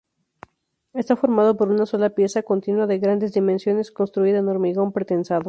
Está formado por una sola pieza continua de grandes dimensiones, construida en hormigón pretensado.